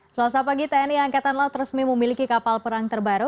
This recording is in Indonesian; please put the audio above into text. selasa pagi tni angkatan laut resmi memiliki kapal perang terbaru